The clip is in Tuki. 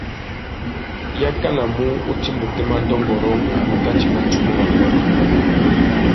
I yakanamú u timba otémá dôngôrông ari u tà timba tsumu râ mutu.